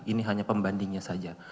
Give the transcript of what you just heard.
ini hanya pembandingnya saja